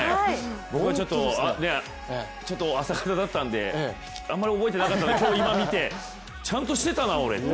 僕もちょっと、朝方だったんであんまり覚えてなかったので今、見てちゃんとしてたな俺って。